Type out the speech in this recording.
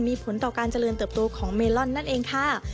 มีผลต่อการเจริญเติบโตของเมลอนนั่นเองค่ะ